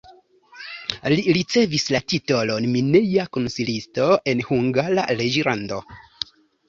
Li ricevis la titolon mineja konsilisto en Hungara reĝlando.